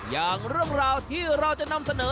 อย่างเรื่องราวที่เราจะนำเสนอ